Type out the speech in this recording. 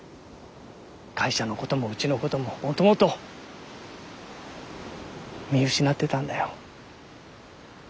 会社のこともうちのことももともと見失ってたんだよ。